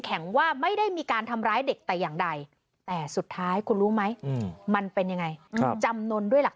จริงจริงจริงจริงจริงจริงจริงจริงจริงจริงจริง